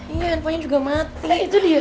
iya handphonenya juga mati